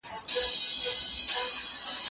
زه لوښي وچولي دي